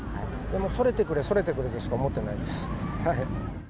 それてくれ、それてくれとしか思ってないです。